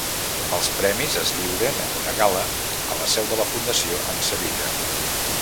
Els premis es lliuren en una gala a la seu de la Fundació en Sevilla.